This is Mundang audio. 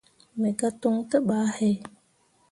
Me gah toŋ te bah he.